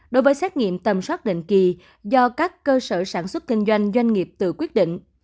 đối với xét nghiệm tầm soát định kỳ do các cơ sở sản xuất kinh doanh doanh nghiệp tự quyết định